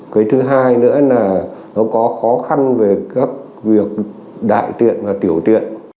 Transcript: cái thứ hai nữa là nó có khó khăn về các việc đại tiện và tiểu tiện